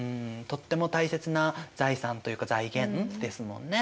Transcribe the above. とっても大切な財産というか財源ですもんね。